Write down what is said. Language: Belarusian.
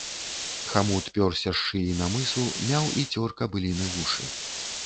Хамут пёрся з шыі на мысу, мяў і цёр кабыліны вушы.